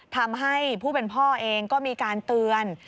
ทำให้ผู้เป็นพ่อเองก็มีการเตือน